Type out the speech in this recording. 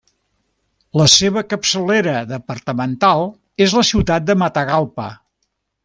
La seva capçalera departamental és la ciutat de Matagalpa.